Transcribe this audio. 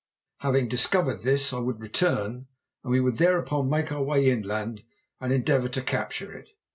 Having discovered this I would return, and we would thereupon make our way inland and endeavour to capture it.